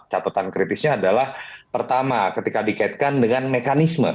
catatan kritisnya adalah pertama ketika dikaitkan dengan mekanisme